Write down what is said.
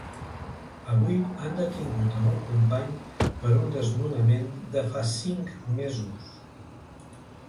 Avui han detingut a un company per un desnonament de fa cinc mesos!